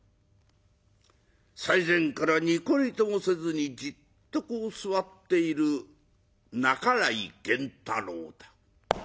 最前からニコリともせずにじっとこう座っている半井源太郎だ。